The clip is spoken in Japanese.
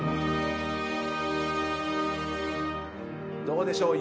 どうでしょう？